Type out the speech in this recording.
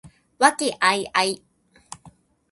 和気藹々